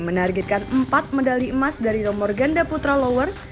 menargetkan empat medali emas dari nomor ganda putra lower